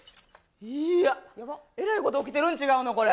いや、えらいこと起きてるんちゃうの、これ。